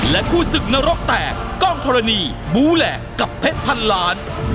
คู่ศึกนรกแตกกล้องธรณีบูแหลกกับเพชรพันล้าน